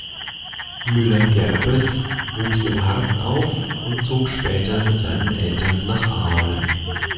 Müller-Gerbes wuchs im Harz auf und zog später mit seinen Eltern nach Aalen.